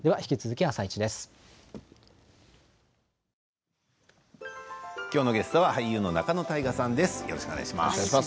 きょうのゲストは俳優の仲野太賀さんです。